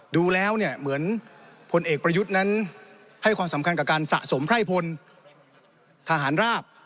ดูแล้วเนี่ยเหมือนพลเอกประยุทธ์นั้นให้ความสำคัญกับการสะสมไพร่พลทหารราบ